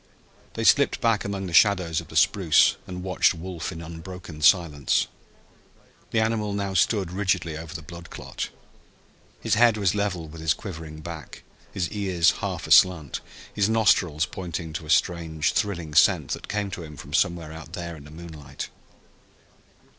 They slipped back among the shadows of the spruce and watched Wolf in unbroken silence. The animal now stood rigidly over the blood clot. His head was level with his quivering back, his ears half aslant, his nostrils pointing to a strange thrilling scent that came to him from somewhere out there in the moonlight.